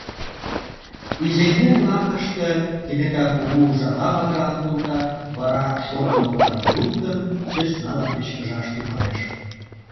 Изеҥер лакыште кенета кугу ужава магырал колта, вара, шодо логарым луктын, сӧснала кечкыжаш тӱҥалеш.